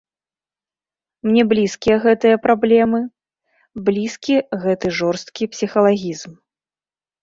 Мне блізкія гэтыя праблемы, блізкі гэты жорсткі псіхалагізм.